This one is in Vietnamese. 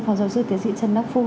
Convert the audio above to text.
phòng giáo sư tiến sĩ trần đắc phu